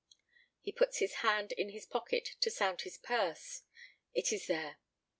He puts his hand in his pocket to sound his purse; it is there.